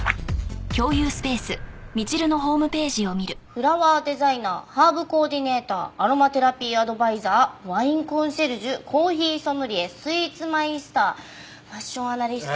フラワーデザイナーハーブコーディネーターアロマテラピーアドバイザーワインコンシェルジュコーヒーソムリエスイーツマイスターファッションアナリスト。